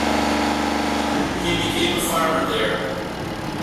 He became a farmer there.